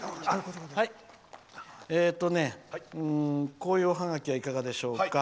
こういうおハガキはいかがでしょうか。